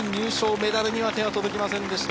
メダルには手が届きませんでした。